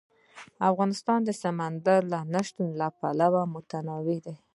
افغانستان د سمندر نه شتون له پلوه متنوع دی.